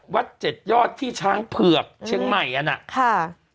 วัดเจ็ดยอดที่ช้างเผือกเชียงใหม่อ่ะนะค่ะ